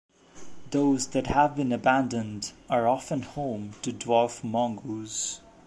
Those that have been abandoned are often home to dwarf mongoose.